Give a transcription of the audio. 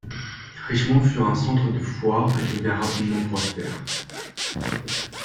Richmond fut un centre de foires et devint rapidement prospère.